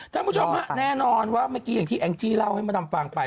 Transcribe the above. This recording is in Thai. ท่านผู้ชมฮะแน่นอนว่าเมื่อกี้อย่างที่แองจี้เล่าให้มดำฟังไป